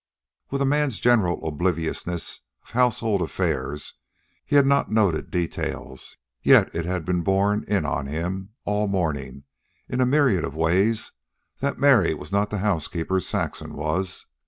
With a man's general obliviousness of household affairs, he had not noted details; yet it had been borne in on him, all morning, in a myriad ways, that Mary was not the housekeeper Saxon was.